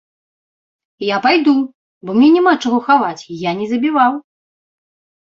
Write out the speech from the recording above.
Я пайду, бо мне няма чаго хаваць, я не забіваў.